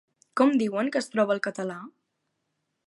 Com diuen que es troba el català?